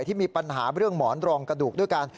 ที่มีปัญหาเรื่องหมอนรองกระดูกด้วยกัน